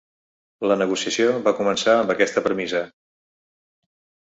La negociació va començar amb aquesta premissa.